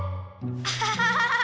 アハハハハ！